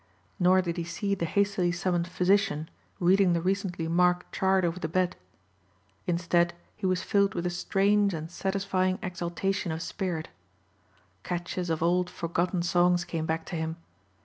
Nor did he see the hastily summoned physician reading the recently marked chart over the bed. Instead he was filled with a strange and satisfying exaltation of spirit. Catches of old forgotten songs came back to him.